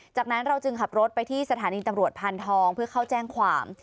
จากนั้นเราจึงขับรถไปที่สถานีตำรวจพานทองเพื่อเข้าแจ้งความ